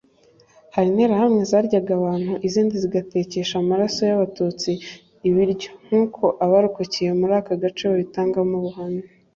hari interahamwe zaryaga abantu izindi zigatekesha amaraso y’abatutsi ibiryo nk’uko abarokokeye muri aka gace babitangamo ubuhamya